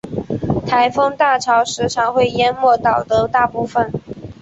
台风大潮时常会淹没岛的大部分。